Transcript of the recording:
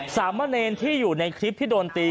สามเณรที่อยู่ในคลิปที่โดนตี